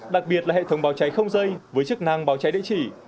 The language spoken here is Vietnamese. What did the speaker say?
đặc biệt là hệ thống báo cháy không dây với chức năng báo cháy địa chỉ